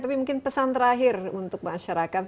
tapi mungkin pesan terakhir untuk masyarakat